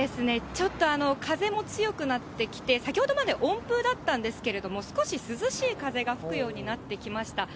ちょっと風も強くなってきて、先ほどまで温風だったんですけども、少し涼しい風が吹くようになってきました。